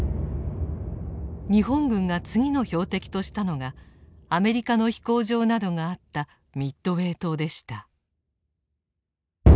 日本軍が次の標的としたのがアメリカの飛行場などがあったミッドウェー島でした。